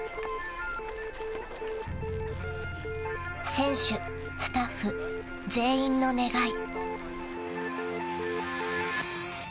［選手スタッフ全員の願い］